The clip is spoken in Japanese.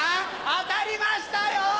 当たりましたよ！」。